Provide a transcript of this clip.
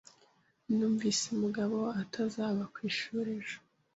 Numvise Mugabo atazaba ku ishuri ejo.